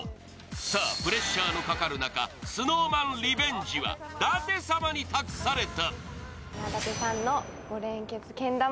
さあ、プレッシャーのかかる中、ＳｎｏｗＭａｎリベンジは舘様に託された。